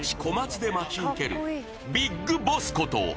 小松で待ち受けるビッグボスこと